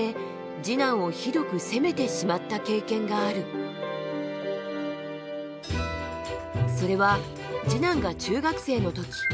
かつてそれは次男が中学生の時。